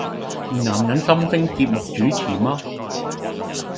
男人心聲節目主持嗎？